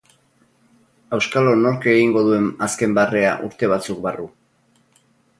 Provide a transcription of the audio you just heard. Auskalo nork egingo duen azken barrea urte batzuk barru.